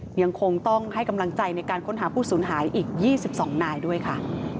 ยังคงต้องให้กำลังใจในการค้นหาผู้สูญหายอีก๒๒นายด้วยค่ะ